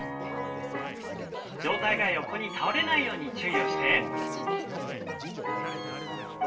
上体が横に倒れないように注意をして。